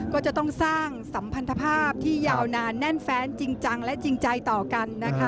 ก็จะต้องสร้างสัมพันธภาพที่ยาวนานแน่นแฟนจริงจังและจริงใจต่อกันนะคะ